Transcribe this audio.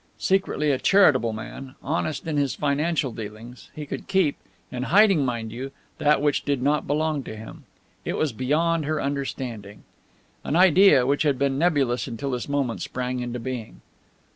Secretly a charitable man, honest in his financial dealings, he could keep in hiding, mind you! that which did not belong to him. It was beyond her understanding. An idea, which had been nebulous until this moment, sprang into being.